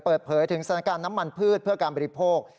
เปิดเผยถึงสถานการณ์น้ำมันพืชเพื่อการบริโภค